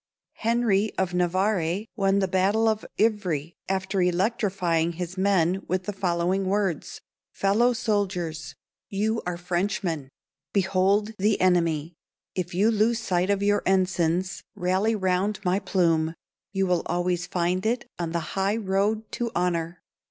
Henry of Navarre won the battle of Ivry after electrifying his men with the following words: "Fellow soldiers, you are Frenchmen; behold the enemy! If you lose sight of your ensigns, rally round my plume; you will always find it on the high road to honor!"